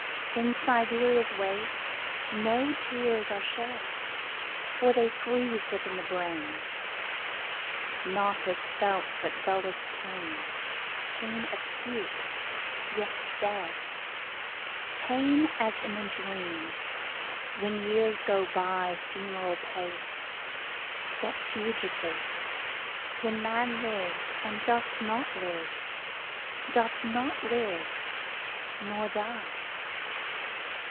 In Siberia's wastesNo tears are shed, For they freeze within the brain. Naught is felt but dullest pain, Pain acute, yet dead; Pain as in a dream, When years go byFuneral paced, yet fugitive, When man lives, and doth not live, Doth not live—nor die.